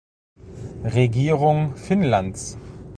Regierung Finnlands.